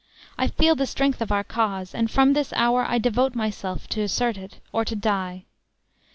"I feel the strength of our cause; and from this hour, I devote myself to assert it, or to die."